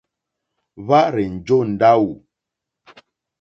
Hwá rzènjó ndáwù.